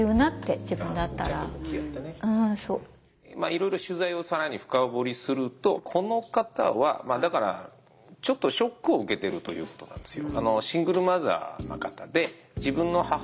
まあいろいろ取材を更に深掘りするとこの方はだからちょっとショックを受けてるということなんですよ。